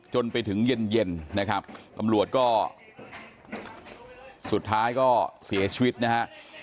จนไปถึงเย็นนะครับตำรวจก็สุดท้ายก็เสียชีวิตนะฮะ